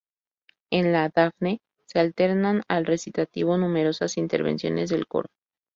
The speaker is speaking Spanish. En la "Dafne" se alternan al recitativo numerosas intervenciones del coro.